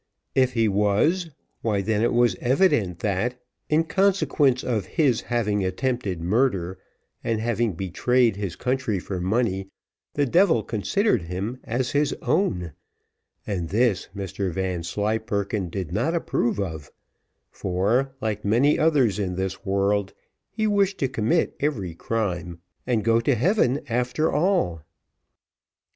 If he was, why then it was evident that in consequence of his having attempted murder, and having betrayed his country for money, the devil considered him as his own, and this Mr Vanslyperken did not approve of; for, like many others in this world, he wished to commit every crime, and go to heaven after all.